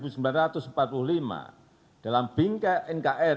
dalam bingkai nkri dan bineka tunggal ika